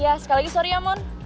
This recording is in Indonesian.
iya sekali lagi sorry ya mon